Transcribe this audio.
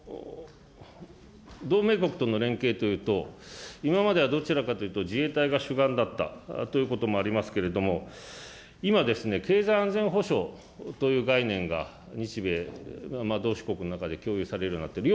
同盟国との連携というと、今まではどちらかというと、自衛隊が主眼だったということもありますけれども、今ですね、経済安全保障という概念が、日米、同志国の中で共有されるようになっている。